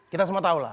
kita semua tau lah